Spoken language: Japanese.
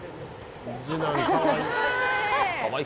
次男かわいい。